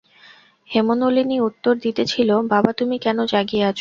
হেমনলিনী উত্তর দিতেছিল, বাবা, তুমি কেন জাগিয়া আছ?